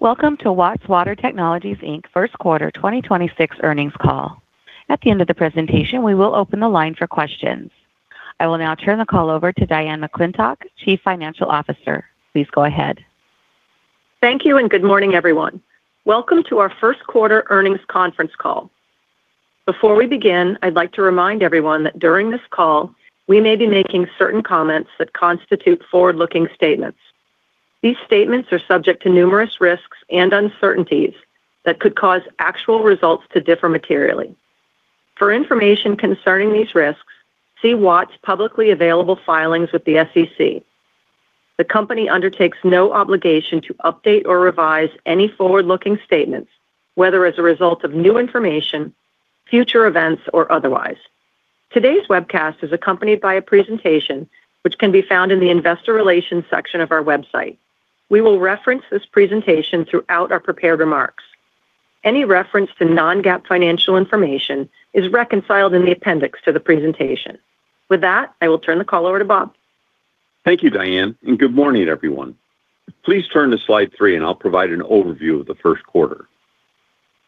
Welcome to Watts Water Technologies, Inc. First Quarter 2026 Earnings Call. At the end of the presentation, we will open the line for questions. I will now turn the call over to Diane McClintock, Chief Financial Officer. Please go ahead. Thank you, good morning, everyone. Welcome to our first quarter earnings conference call. Before we begin, I'd like to remind everyone that during this call, we may be making certain comments that constitute forward-looking statements. These statements are subject to numerous risks and uncertainties that could cause actual results to differ materially. For information concerning these risks, see Watts' publicly available filings with the SEC. The company undertakes no obligation to update or revise any forward-looking statements, whether as a result of new information, future events, or otherwise. Today's webcast is accompanied by a presentation which can be found in the investor relations section of our website. We will reference this presentation throughout our prepared remarks. Any reference to non-GAAP financial information is reconciled in the appendix to the presentation. With that, I will turn the call over to Bob. Thank you, Diane. Good morning, everyone. Please turn to slide three and I'll provide an overview of the first quarter.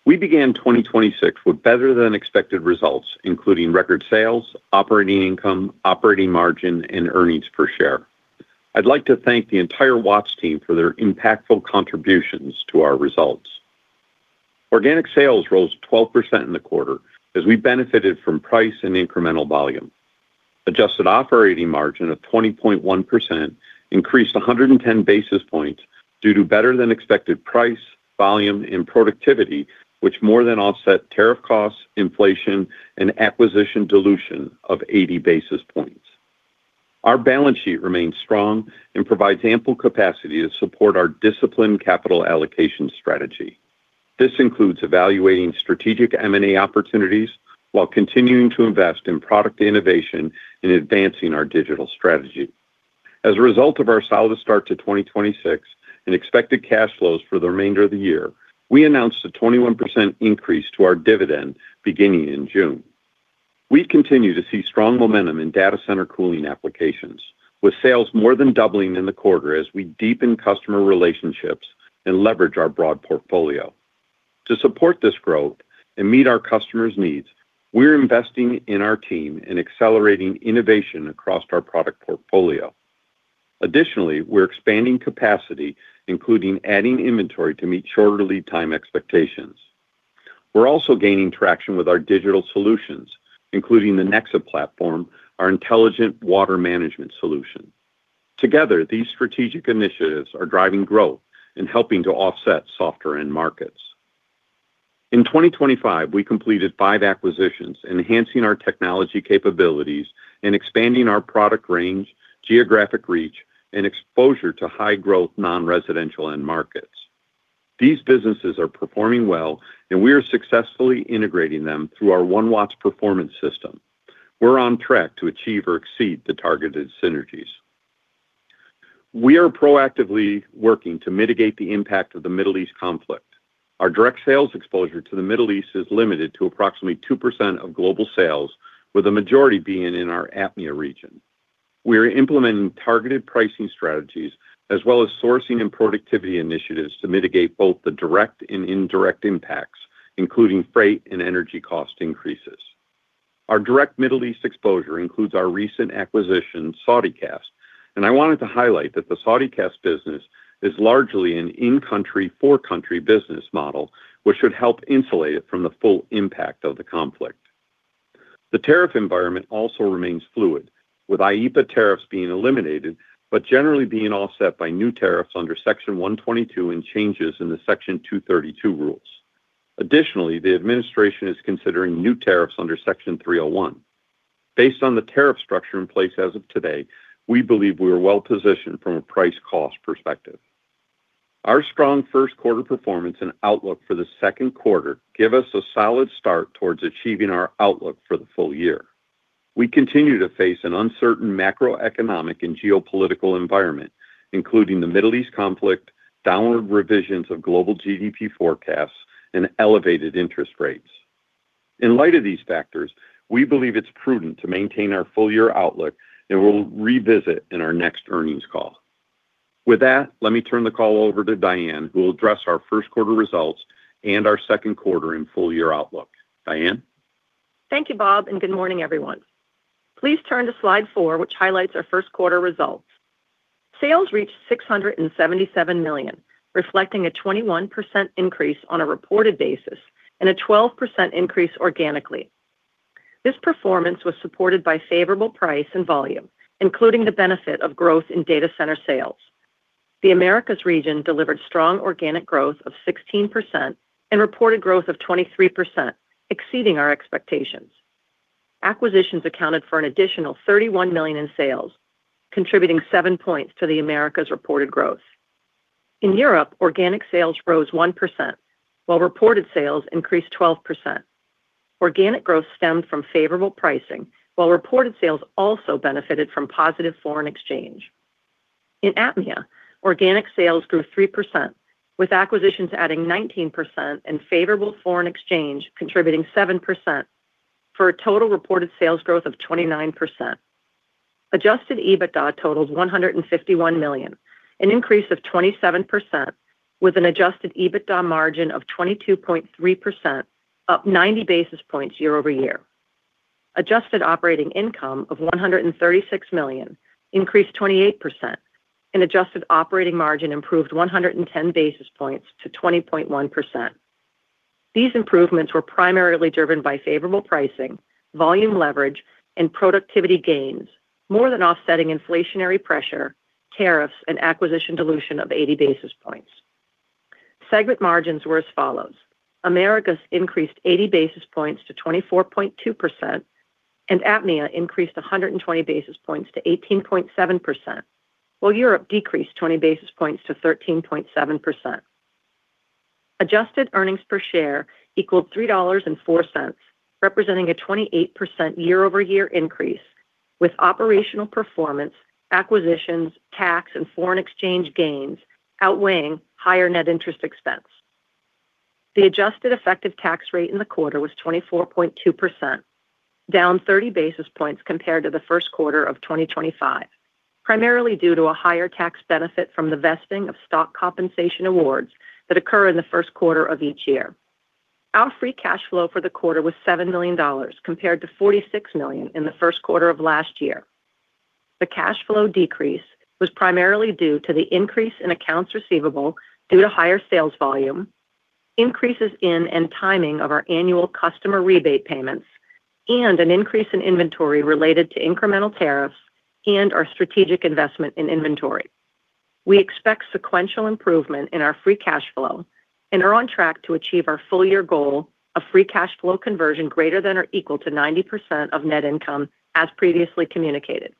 We began 2026 with better-than-expected results, including record sales, operating income, operating margin, and earnings per share. I'd like to thank the entire Watts team for their impactful contributions to our results. Organic sales rose 12% in the quarter as we benefited from price and incremental volume. Adjusted operating margin of 20.1% increased 110 basis points due to better than expected price, volume, and productivity, which more than offset tariff costs, inflation, and acquisition dilution of 80 basis points. Our balance sheet remains strong and provides ample capacity to support our disciplined capital allocation strategy. This includes evaluating strategic M&A opportunities while continuing to invest in product innovation and advancing our digital strategy. As a result of our solid start to 2026 and expected cash flows for the remainder of the year, we announced a 21% increase to our dividend beginning in June. We continue to see strong momentum in data center cooling applications, with sales more than doubling in the quarter as we deepen customer relationships and leverage our broad portfolio. To support this growth and meet our customers' needs, we're investing in our team and accelerating innovation across our product portfolio. Additionally, we're expanding capacity, including adding inventory to meet shorter lead time expectations. We're also gaining traction with our digital solutions, including the Nexa platform, our intelligent water management solution. Together, these strategic initiatives are driving growth and helping to offset softer end markets. In 2025, we completed five acquisitions, enhancing our technology capabilities and expanding our product range, geographic reach, and exposure to high-growth non-residential end markets. These businesses are performing well, and we are successfully integrating them through our OneWatts Performance System. We're on track to achieve or exceed the targeted synergies. We are proactively working to mitigate the impact of the Middle East conflict. Our direct sales exposure to the Middle East is limited to approximately 2% of global sales, with the majority being in our APMEA region. We are implementing targeted pricing strategies as well as sourcing and productivity initiatives to mitigate both the direct and indirect impacts, including freight and energy cost increases. Our direct Middle East exposure includes our recent acquisition, Saudi Cast, and I wanted to highlight that the Saudi Cast business is largely an in-country, for-country business model, which should help insulate it from the full impact of the conflict. The tariff environment also remains fluid, with IEEPA tariffs being eliminated but generally being offset by new tariffs under Section 122 and changes in the Section 232 rules. Additionally, the administration is considering new tariffs under Section 301. Based on the tariff structure in place as of today, we believe we are well positioned from a price-cost perspective. Our strong first quarter performance and outlook for the second quarter give us a solid start towards achieving our outlook for the full year. We continue to face an uncertain macroeconomic and geopolitical environment, including the Middle East conflict, downward revisions of global GDP forecasts, and elevated interest rates. In light of these factors, we believe it's prudent to maintain our full year outlook, and we'll revisit in our next earnings call. With that, let me turn the call over to Diane, who will address our first quarter results and our second quarter and full year outlook. Diane? Thank you, Bob. Good morning, everyone. Please turn to slide four, which highlights our first quarter results. Sales reached $677 million, reflecting a 21% increase on a reported basis and a 12% increase organically. This performance was supported by favorable price and volume, including the benefit of growth in data center sales. The Americas region delivered strong organic growth of 16% and reported growth of 23%, exceeding our expectations. Acquisitions accounted for an additional $31 million in sales, contributing seven points to the Americas' reported growth. In Europe, organic sales rose 1%, while reported sales increased 12%. Organic growth stemmed from favorable pricing, while reported sales also benefited from positive foreign exchange. In APMEA, organic sales grew 3%, with acquisitions adding 19% and favorable foreign exchange contributing 7% for a total reported sales growth of 29%. Adjusted EBITDA totals $151 million, an increase of 27% with an Adjusted EBITDA margin of 22.3%, up 90 basis points year-over-year. Adjusted operating income of $136 million increased 28%, and adjusted operating margin improved 110 basis points to 20.1%. These improvements were primarily driven by favorable pricing, volume leverage, and productivity gains, more than offsetting inflationary pressure, tariffs, and acquisition dilution of 80 basis points. Segment margins were as follows: Americas increased 80 basis points to 24.2%, and APMEA increased 120 basis points to 18.7%, while Europe decreased 20 basis points to 13.7%. Adjusted earnings per share equaled $3.04, representing a 28% year-over-year increase, with operational performance, acquisitions, tax, and foreign exchange gains outweighing higher net interest expense. The adjusted effective tax rate in the quarter was 24.2%, down 30 basis points compared to the first quarter of 2025, primarily due to a higher tax benefit from the vesting of stock compensation awards that occur in the first quarter of each year. Our free cash flow for the quarter was $7 million, compared to $46 million in the first quarter of last year. The cash flow decrease was primarily due to the increase in accounts receivable due to higher sales volume, increases in and timing of our annual customer rebate payments, and an increase in inventory related to incremental tariffs and our strategic investment in inventory. We expect sequential improvement in our free cash flow and are on track to achieve our full year goal of free cash flow conversion greater than or equal to 90% of net income as previously communicated.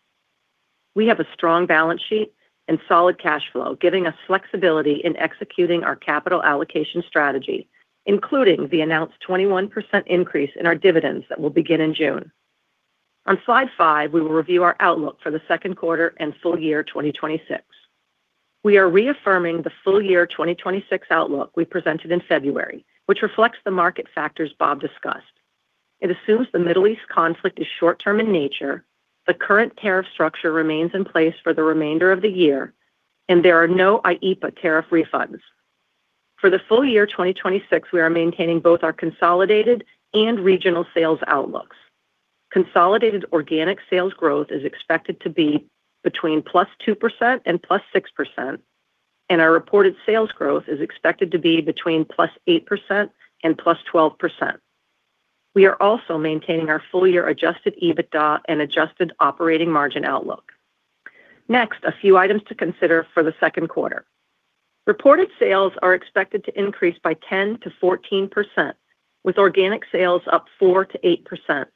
We have a strong balance sheet and solid cash flow, giving us flexibility in executing our capital allocation strategy, including the announced 21% increase in our dividends that will begin in June. On slide five, we will review our outlook for the second quarter and full year 2026. We are reaffirming the full year 2026 outlook we presented in February, which reflects the market factors Bob discussed. It assumes the Middle East conflict is short-term in nature, the current tariff structure remains in place for the remainder of the year, and there are no IEEPA tariff refunds. For the full year 2026, we are maintaining both our consolidated and regional sales outlooks. Consolidated organic sales growth is expected to be between +2% and +6%, and our reported sales growth is expected to be between +8% and +12%. We are also maintaining our full year Adjusted EBITDA and adjusted operating margin outlook. A few items to consider for the second quarter. Reported sales are expected to increase by 10%-14%, with organic sales up 4%-8%.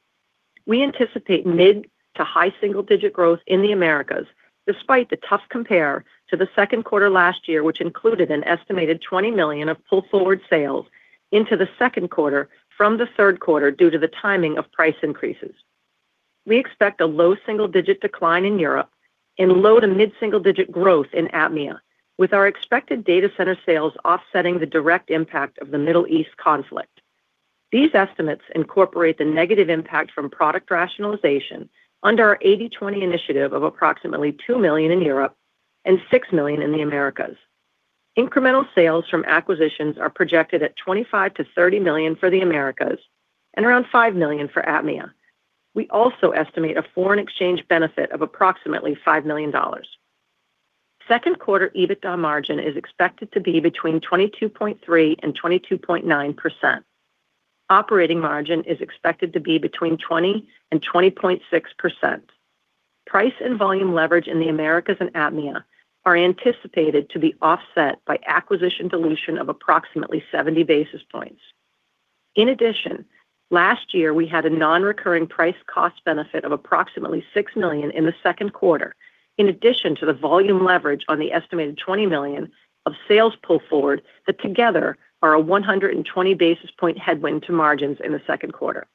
We anticipate mid to high single-digit growth in the Americas, despite the tough compare to the second quarter last year, which included an estimated $20 million of pull-forward sales into the second quarter from the third quarter due to the timing of price increases. We expect a low single-digit decline in Europe and low to mid single-digit growth in APMEA, with our expected data center sales offsetting the direct impact of the Middle East conflict. These estimates incorporate the negative impact from product rationalization under our 80/20 initiative of approximately $2 million in Europe and $6 million in the Americas. Incremental sales from acquisitions are projected at $25 million-$30 million for the Americas and around $5 million for APMEA. We also estimate a foreign exchange benefit of approximately $5 million. Second quarter EBITDA margin is expected to be between 22.3% and 22.9%. Operating margin is expected to be between 20% and 20.6%. Price and volume leverage in the Americas and APMEA are anticipated to be offset by acquisition dilution of approximately 70 basis points. In addition, last year we had a non-recurring price cost benefit of approximately $6 million in the second quarter, in addition to the volume leverage on the estimated $20 million of sales pull forward that together are a 120 basis point headwind to margins in the second quarter.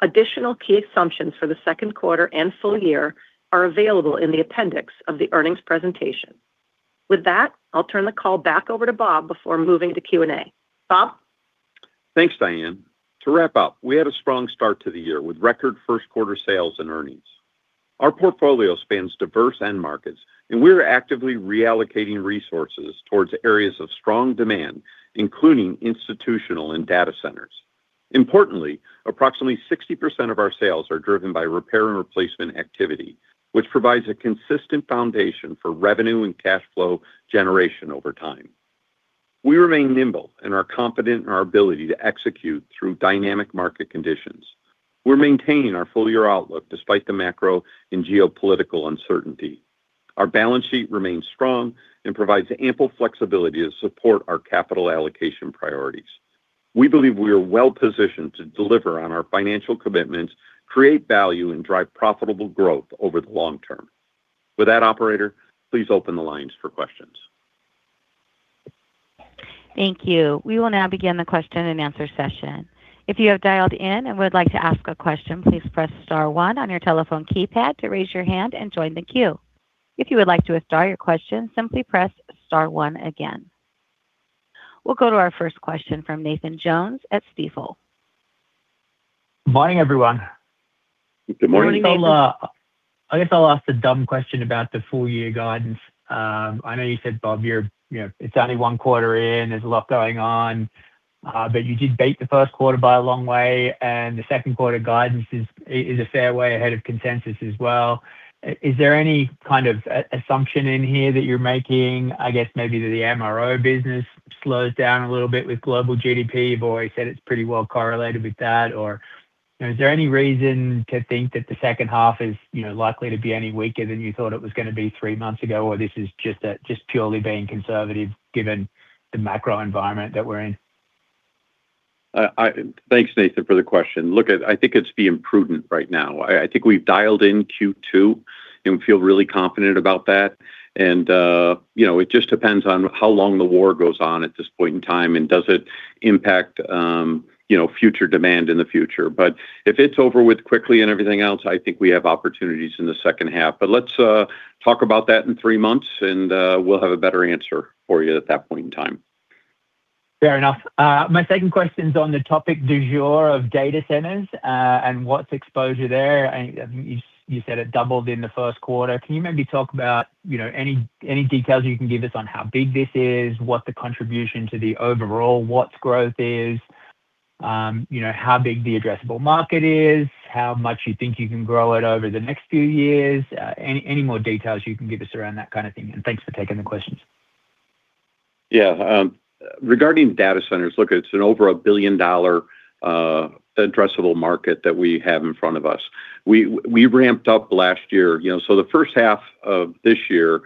Additional key assumptions for the second quarter and full year are available in the appendix of the earnings presentation. With that, I'll turn the call back over to Bob before moving to Q&A. Bob? Thanks, Diane. To wrap up, we had a strong start to the year with record first quarter sales and earnings. Our portfolio spans diverse end markets, and we're actively reallocating resources towards areas of strong demand, including institutional and data centers. Importantly, approximately 60% of our sales are driven by repair and replacement activity, which provides a consistent foundation for revenue and cash flow generation over time. We remain nimble and are confident in our ability to execute through dynamic market conditions. We're maintaining our full year outlook despite the macro and geopolitical uncertainty. Our balance sheet remains strong and provides ample flexibility to support our capital allocation priorities. We believe we are well-positioned to deliver on our financial commitments, create value, and drive profitable growth over the long term. With that, operator, please open the lines for questions. Thank you. We will now begin the question and answer session. If you have dialed in and would like to ask a question, please press star one on your telephone keypad to raise your hand and join the queue. If you would like to withdraw your question, simply press star one again. We'll go to our first question from Nathan Jones at Stifel. Morning, everyone. Good morning, Nathan. I guess I'll ask the dumb question about the full year guidance. I know you said, Bob, you know, it's only one quarter in, there's a lot going on. You did beat the first quarter by a long way, and the second quarter guidance is a fair way ahead of consensus as well. Is there any kind of assumption in here that you're making? I guess maybe that the MRO business slows down a little bit with global GDP. You've always said it's pretty well correlated with that. You know, is there any reason to think that the second half is, you know, likely to be any weaker than you thought it was going to be three months ago? This is just a, just purely being conservative given the macro environment that we're in? Thanks, Nathan, for the question. Look, I think it's being prudent right now. I think we've dialed in Q2, and we feel really confident about that. It just depends on how long the war goes on at this point in time, and does it impact, you know, future demand in the future. If it's over with quickly and everything else, I think we have opportunities in the second half. Let's talk about that in three months, and we'll have a better answer for you at that point in time. Fair enough. My second question's on the topic du jour of data centers, and Watts exposure there. I think you said it doubled in the first quarter. Can you maybe talk about, you know, any details you can give us on how big this is? What the contribution to the overall Watts growth is? You know, how big the addressable market is? How much you think you can grow it over the next few years? Any more details you can give us around that kind of thing, and thanks for taking the questions? Yeah. Regarding data centers, look, it's an over $1 billion addressable market that we have in front of us. We ramped up last year. You know, the first half of this year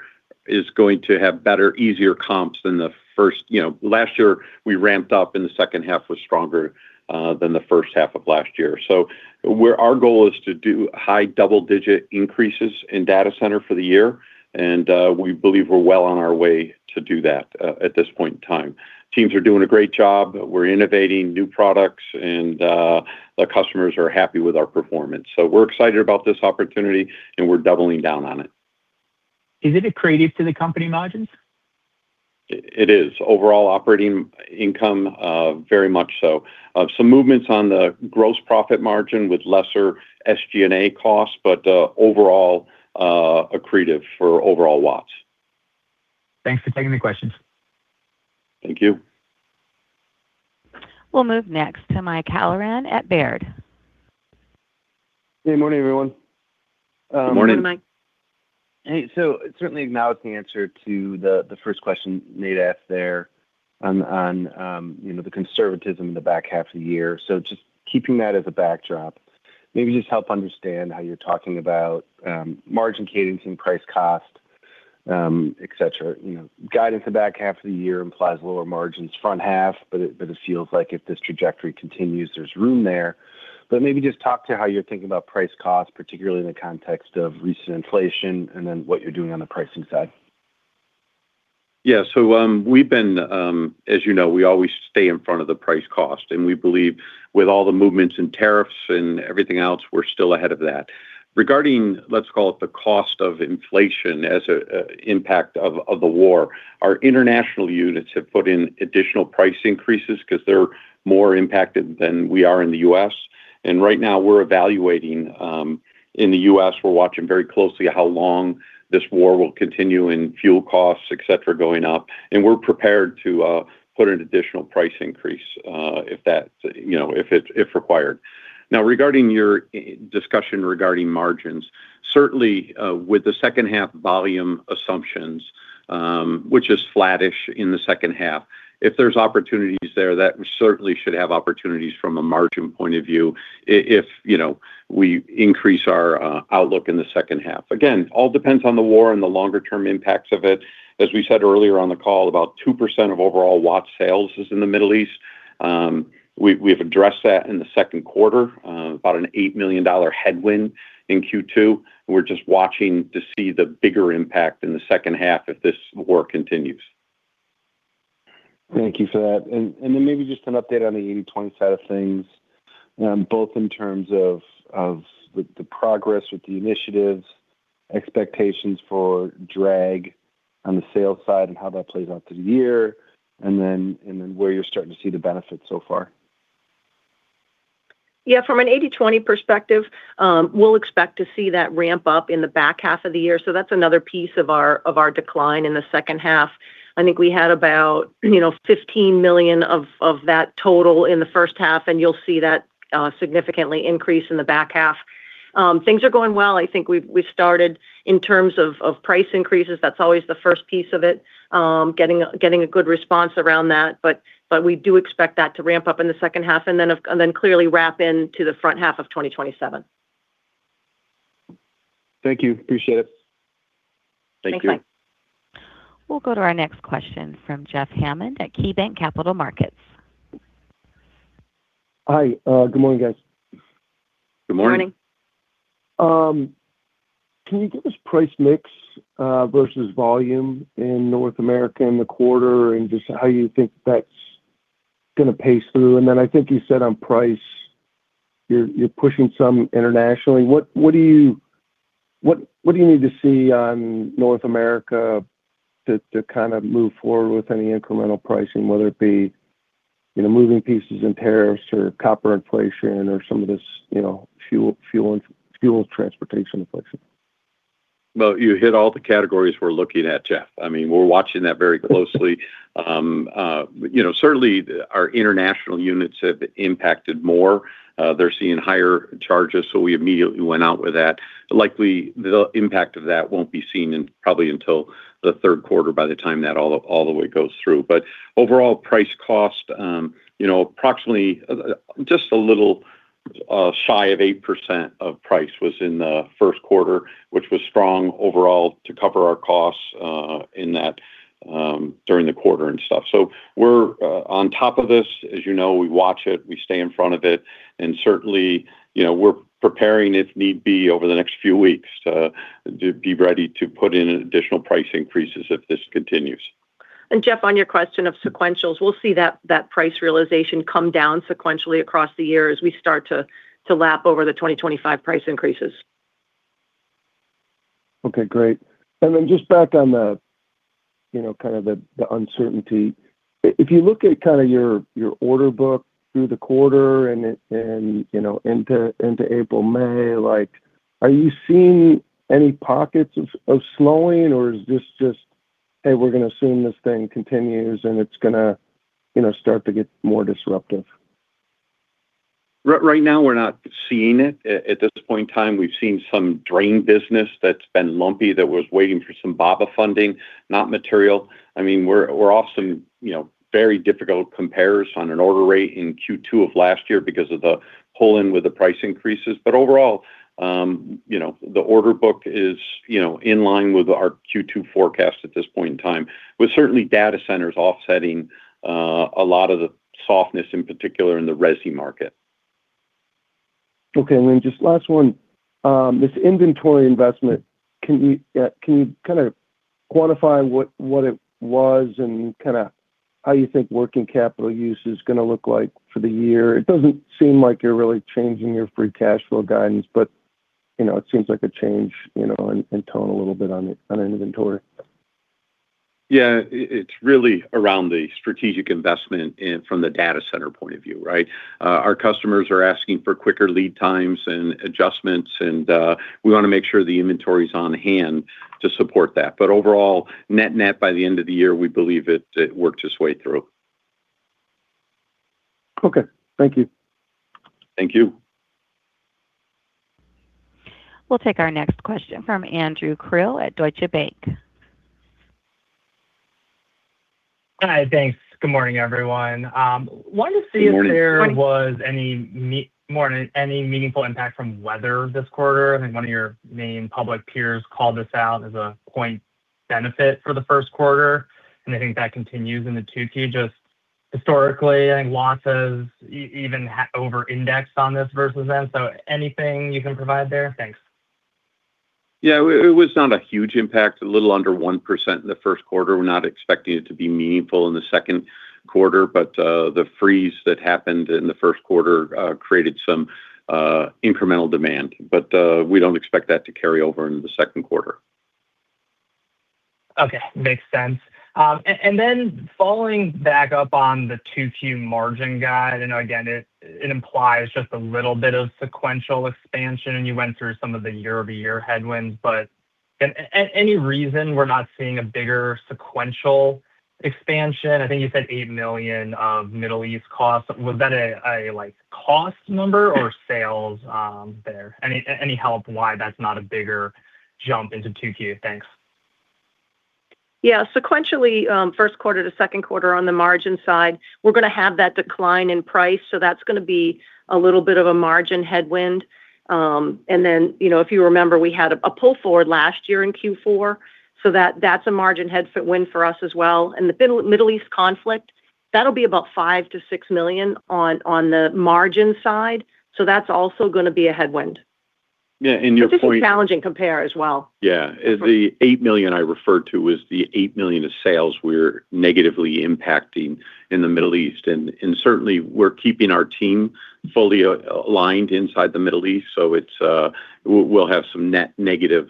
is going to have better, easier comps than the first You know, last year we ramped up, and the second half was stronger than the first half of last year. Our goal is to do high double-digit increases in data center for the year, and we believe we're well on our way to do that at this point in time. Teams are doing a great job. We're innovating new products, and the customers are happy with our performance. We're excited about this opportunity, and we're doubling down on it. Is it accretive to the company margins? It is overall operating income, very much so, of some movements on the gross profit margin with lesser SG&A costs, but, overall, accretive for overall Watts. Thanks for taking the questions. Thank you. We'll move next to Michael Halloran at Baird. Good morning, everyone. Morning. Morning, Mike. Hey. Certainly acknowledging the answer to the first question Nate asked there on, you know, the conservatism in the back half of the year. Just keeping that as a backdrop, maybe just help understand how you're talking about margin cadence and price cost, et cetera. You know, guidance the back half of the year implies lower margins front half, but it feels like if this trajectory continues, there's room there. Maybe just talk to how you're thinking about price cost, particularly in the context of recent inflation, what you're doing on the pricing side. Yeah. As you know, we always stay in front of the price cost. We believe with all the movements in tariffs and everything else, we're still ahead of that. Regarding, let's call it the cost of inflation as an impact of the war, our international units have put in additional price increases 'cause they're more impacted than we are in the U.S. Right now we're evaluating in the U.S., we're watching very closely how long this war will continue and fuel costs, et cetera, going up. We're prepared to put an additional price increase if that's, you know, if it's, if required. Regarding your discussion regarding margins, certainly, with the second half volume assumptions, which is flattish in the second half, if there's opportunities there, that certainly should have opportunities from a margin point of view if, you know, we increase our outlook in the second half. All depends on the war and the longer term impacts of it. As we said earlier on the call, about 2% of overall Watts sales is in the Middle East. We've addressed that in the second quarter, about an $8 million headwind in Q2. We're just watching to see the bigger impact in the second half if this war continues. Thank you for that. Then maybe just an update on the 80/20 side of things, both in terms of the progress with the initiatives, expectations for drag on the sales side and how that plays out through the year, and then where you're starting to see the benefits so far. Yeah. From an 80/20 perspective, we'll expect to see that ramp up in the back half of the year. That's another piece of our decline in the second half. I think we had about, you know, $15 million of that total in the first half. You'll see that significantly increase in the back half. Things are going well. I think we've started in terms of price increases. That's always the first piece of it. Getting a good response around that. We do expect that to ramp up in the second half. Clearly wrap into the front half of 2027. Thank you. Appreciate it. Thank you. Thanks, Mike. We'll go to our next question from Jeffrey Hammond at KeyBanc Capital Markets. Hi. Good morning, guys. Good morning. Morning. Can you give us price mix versus volume in North America in the quarter, and just how you think that's gonna pace through? I think you said on price. You're pushing some internationally. What do you need to see on North America to kind of move forward with any incremental pricing, whether it be, you know, moving pieces in tariffs or copper inflation or some of this, you know, fuel transportation inflation? Well, you hit all the categories we're looking at, Jeff. I mean, we're watching that very closely. You know, certainly our international units have been impacted more. They're seeing higher charges, so we immediately went out with that. Likely the impact of that won't be seen in probably until the third quarter by the time that all the, all the way goes through. Overall price cost, you know, approximately just a little shy of 8% of price was in the first quarter, which was strong overall to cover our costs in that during the quarter and stuff. We're on top of this, as you know, we watch it, we stay in front of it, and certainly, you know, we're preparing if need be over the next few weeks to be ready to put in additional price increases if this continues. Jeff, on your question of sequentials, we'll see that price realization come down sequentially across the year as we start to lap over the 2025 price increases. Okay, great. Then just back on the, you know, kind of the uncertainty. If you look at kind of your order book through the quarter and, you know, into April, May, like are you seeing any pockets of slowing or is this just, "Hey, we're gonna assume this thing continues, and it's gonna, you know, start to get more disruptive? Right now we're not seeing it. At this point in time, we've seen some drain business that's been lumpy that was waiting for some BABA funding, not material. I mean, we're off some, you know, very difficult compares on an order rate in Q2 of last year because of the pull-in with the price increases. Overall, you know, the order book is, you know, in line with our Q2 forecast at this point in time, with certainly data centers offsetting a lot of the softness in particular in the resi market. Okay. Just last one. This inventory investment, can you, can you kind of quantify what it was and kind of how you think working capital use is gonna look like for the year? It doesn't seem like you're really changing your free cash flow guidance, but, you know, it seems like a change, you know, in tone a little bit on inventory. Yeah. It's really around the strategic investment in, from the data center point of view, right? Our customers are asking for quicker lead times and adjustments, and we wanna make sure the inventory's on hand to support that. Overall, net net by the end of the year, we believe it worked its way through. Okay. Thank you. Thank you. We'll take our next question from Andrew Krill at Deutsche Bank. Hi. Thanks. Good morning, everyone. Morning Morning. Any meaningful impact from weather this quarter? I think one of your main public peers called this out as a point benefit for the first quarter, and I think that continues into 2Q just historically. I think Watts has even over-indexed on this versus then, so anything you can provide there? Thanks. Yeah. It was not a huge impact. A little under 1% in the first quarter. We're not expecting it to be meaningful in the second quarter. The freeze that happened in the first quarter created some incremental demand. We don't expect that to carry over into the second quarter. Okay. Makes sense. Following back up on the 2Q margin guide, and again, it implies just a little bit of sequential expansion, and you went through some of the year-over-year headwinds. Any reason we're not seeing a bigger sequential expansion? I think you said $8 million of Middle East costs. Was that a like cost number or sales there? Any help why that's not a bigger jump into 2Q? Thanks. Yeah. Sequentially, first quarter to second quarter on the margin side, we're gonna have that decline in price, that's gonna be a little bit of a margin headwind. Then, you know, if you remember, we had a pull forward last year in Q4, that's a margin headwind for us as well. The Middle East conflict, that'll be about $5 million-$6 million on the margin side, that's also gonna be a headwind. Yeah. This is a challenging compare as well. Yeah. The $8 million I referred to is the $8 million of sales we're negatively impacting in the Middle East. Certainly we're keeping our team fully aligned inside the Middle East, so it's, we'll have some negative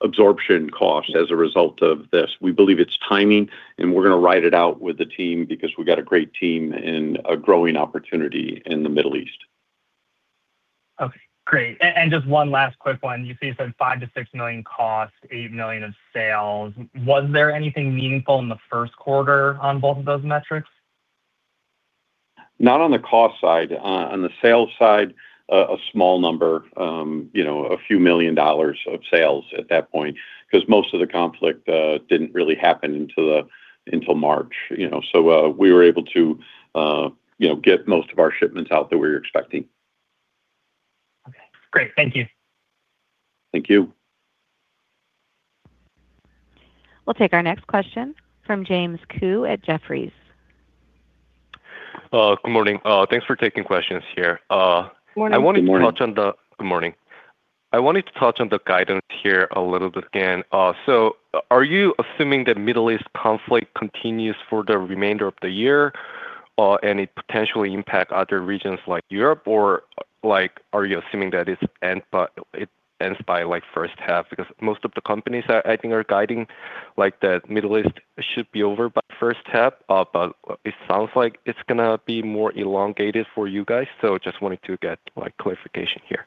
absorption costs as a result of this. We believe it's timing, and we're gonna ride it out with the team because we got a great team and a growing opportunity in the Middle East. Okay, great. Just one last quick one. You said $5 million-$6 million cost, $8 million of sales. Was there anything meaningful in the first quarter on both of those metrics? Not on the cost side. On the sales side, a small number, you know, a few million dollars of sales at that point, 'cause most of the conflict didn't really happen until March, you know? We were able to, you know, get most of our shipments out that we were expecting. Okay, great. Thank you. Thank you. We'll take our next question from James Ko at Jefferies. Good morning. Thanks for taking questions here. Morning I wanted to touch on the guidance here a little bit again. Are you assuming the Middle East conflict continues for the remainder of the year, and it potentially impact other regions like Europe? Like, are you assuming that it ends by, like, first half? Because most of the companies I think are guiding, like, the Middle East should be over by first half. It sounds like it's gonna be more elongated for you guys. Just wanted to get, like, clarification here.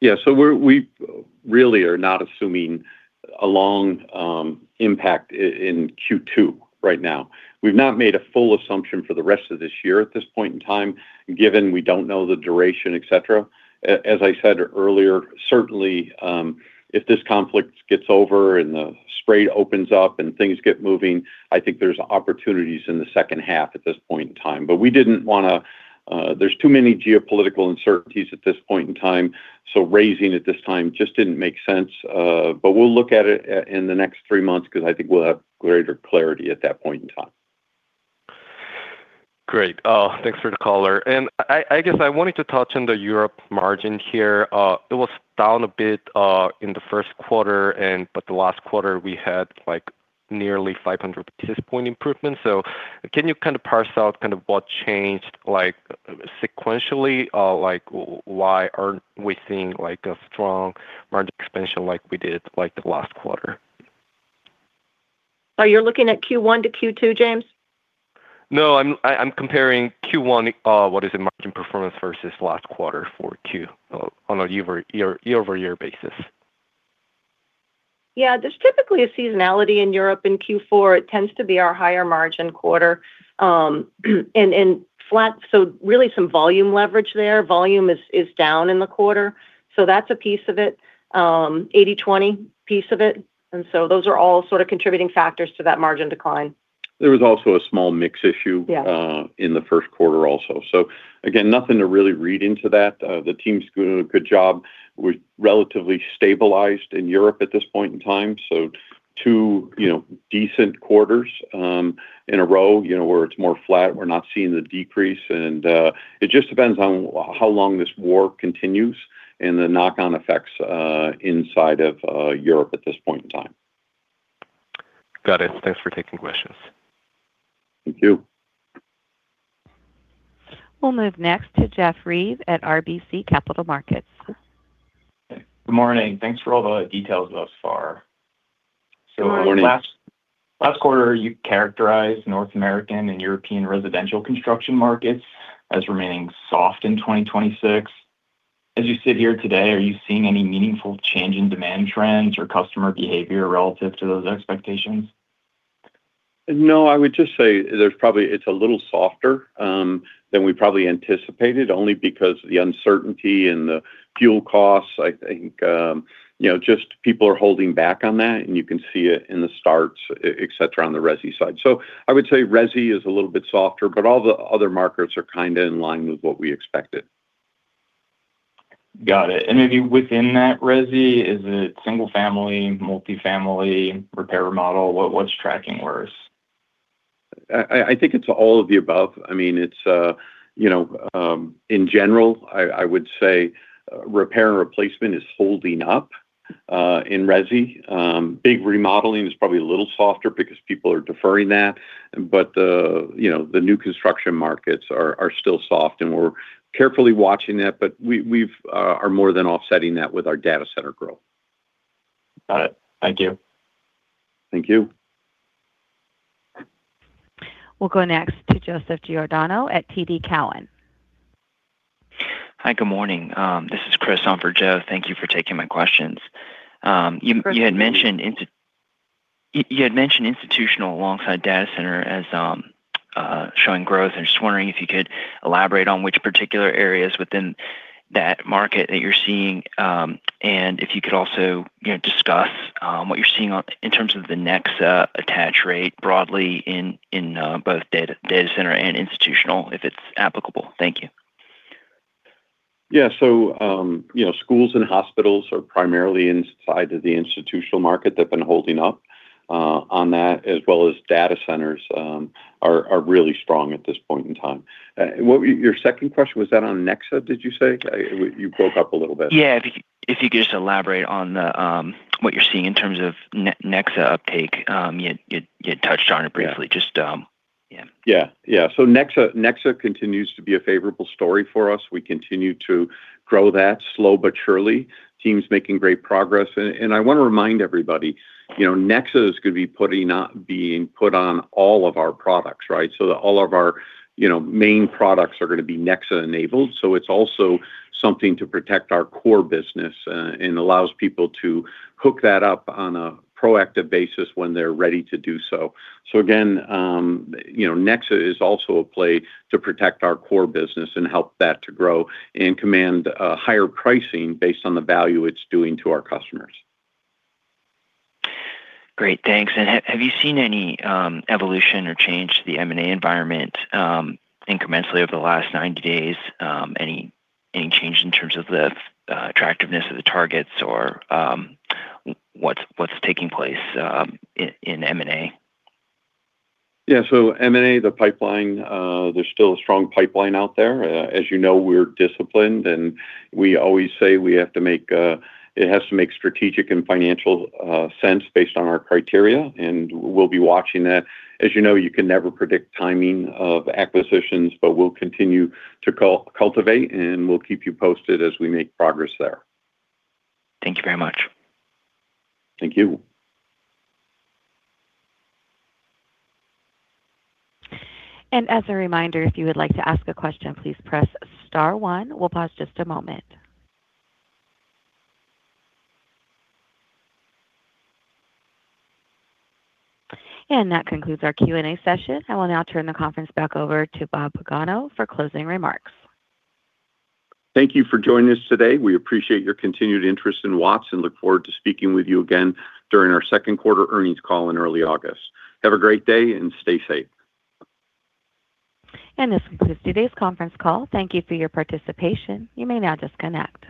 Yeah. We really are not assuming a long impact in Q2 right now. We've not made a full assumption for the rest of this year at this point in time, given we don't know the duration, et cetera. As I said earlier, certainly, if this conflict gets over and the strait opens up and things get moving, I think there's opportunities in the second half at this point in time. We didn't wanna, there's too many geopolitical uncertainties at this point in time, so raising at this time just didn't make sense. We'll look at it in the next three months 'cause I think we'll have greater clarity at that point in time. Great. Thanks for the color. I guess I wanted to touch on the Europe margin here. It was down a bit in the first quarter and but the last quarter we had, like, nearly 500 basis point improvement. Can you kind of parse out kind of what changed, like, sequentially? Like, why aren't we seeing, like, a strong margin expansion like we did, like, the last quarter? You're looking at Q1 to Q2, James? No. I'm comparing Q1, what is the margin performance versus last quarter for Q, on a year-over-year basis. Yeah. There's typically a seasonality in Europe in Q4. It tends to be our higher margin quarter, and flat. So really some volume leverage there. Volume is down in the quarter, so that's a piece of it. 80/20 piece of it. Those are all sort of contributing factors to that margin decline. There was also a small mix issue. Yeah In the first quarter also. Again, nothing to really read into that. The team's doing a good job. We're relatively stabilized in Europe at this point in time. Two, you know, decent quarters in a row, you know, where it's more flat. We're not seeing the decrease. It just depends on how long this war continues and the knock-on effects inside of Europe at this point in time. Got it. Thanks for taking questions. Thank you. We'll move next to Jeff Reive at RBC Capital Markets. Good morning. Thanks for all the details thus far. Good morning. Last quarter, you characterized North American and European residential construction markets as remaining soft in 2026. Are you seeing any meaningful change in demand trends or customer behavior relative to those expectations? No. I would just say it's a little softer than we probably anticipated, only because of the uncertainty and the fuel costs. I think, you know, just people are holding back on that, and you can see it in the starts, et cetera, on the resi side. I would say resi is a little bit softer, but all the other markets are kind of in line with what we expected. Got it. Maybe within that resi, is it single family, multifamily, repair, remodel? What, what's tracking worse? I think it's all of the above. I mean, it's you know, in general, I would say repair and replacement is holding up in resi. Big remodeling is probably a little softer because people are deferring that. The you know, the new construction markets are still soft, and we are carefully watching that, but we are more than offsetting that with our data center growth. Got it. Thank you. Thank you. We'll go next to Joseph Giordano at TD Cowen. Hi, good morning. This is Chris on for Joe. Thank you for taking my questions. Of course. You had mentioned institutional alongside data center as showing growth. I'm just wondering if you could elaborate on which particular areas within that market that you're seeing. If you could also, you know, discuss what you're seeing in terms of the Nexa attach rate broadly in both data center and institutional, if it's applicable. Thank you. Yeah. You know, schools and hospitals are primarily inside of the institutional market. They've been holding up on that, as well as data centers, are really strong at this point in time. Your second question, was that on Nexa, did you say? You broke up a little bit. Yeah. If you could just elaborate on the what you're seeing in terms of Nexa uptake. You had touched on it briefly. Yeah. Just, yeah. Yeah. Yeah. Nexa continues to be a favorable story for us. We continue to grow that slow but surely. Team's making great progress. I wanna remind everybody, you know, Nexa is gonna be being put on all of our products, right? All of our, you know, main products are gonna be Nexa enabled, so it's also something to protect our core business and allows people to hook that up on a proactive basis when they're ready to do so. Again, you know, Nexa is also a play to protect our core business and help that to grow and command higher pricing based on the value it's doing to our customers. Great. Thanks. Have you seen any evolution or change to the M&A environment incrementally over the last 90 days? Any change in terms of the attractiveness of the targets or what's taking place in M&A? Yeah. M&A, the pipeline, there's still a strong pipeline out there. As you know, we're disciplined, and we always say we have to make it has to make strategic and financial sense based on our criteria, and we'll be watching that. As you know, you can never predict timing of acquisitions, but we'll continue to cultivate, and we'll keep you posted as we make progress there. Thank you very much. Thank you. As a reminder, if you would like to ask a question, please press star one. We'll pause just a moment. That concludes our Q&A session. I will now turn the conference back over to Bob Pagano for closing remarks. Thank you for joining us today. We appreciate your continued interest in Watts and look forward to speaking with you again during our second quarter earnings call in early August. Have a great day and stay safe. This concludes today's conference call. Thank you for your participation. You may now disconnect.